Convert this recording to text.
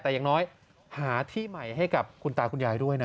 แต่อย่างน้อยหาที่ใหม่ให้กับคุณตาคุณยายด้วยนะ